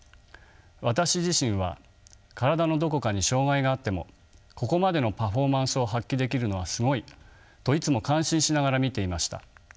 私自身は体のどこかに障がいがあってもここまでのパフォーマンスを発揮できるのはすごいといつも感心しながら見ていました。